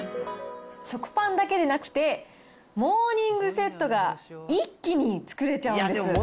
食パンだけでなくて、モーニングセットが一気に作れちゃうんです。